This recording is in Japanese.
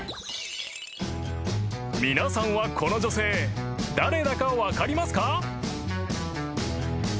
［皆さんはこの女性誰だか分かりますか？］